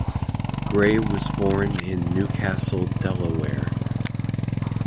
Gray was born in New Castle, Delaware.